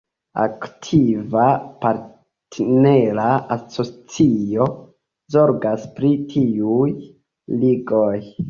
Aktiva partnera asocio zorgas pri tiuj ligoj.